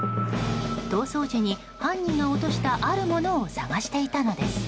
逃走時に犯人が落としたあるものを捜していたのです。